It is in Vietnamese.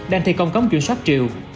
đang thi công cống kiểm soát triều